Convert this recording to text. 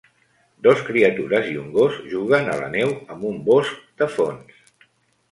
Dos criatures i un gos juguen a la neu amb un bosc de fons.